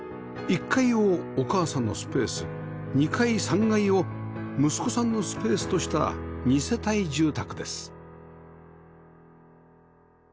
１階をお母さんのスペース２階３階を息子さんのスペースとした２世帯住宅です